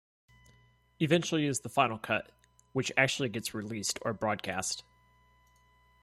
Eventually is the final cut, which actually gets released or broadcast.